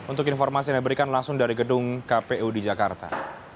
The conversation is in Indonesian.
untuk informasi yang diberikan langsung dari gedung kpu di jakarta